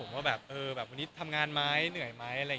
วันนี้ทำงานไหมเหนื่อยไหม